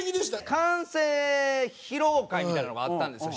完成披露会みたいなのがあったんですよ